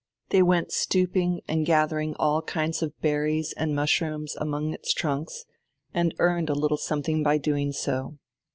They went stooping and gathering all kinds of berries and mushrooms among its trunks, and earned a little something by doing so.